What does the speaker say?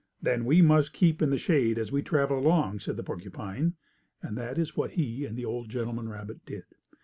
"Then we must keep in the shade as we travel along," said the porcupine, and that is what he and the old gentleman rabbit did.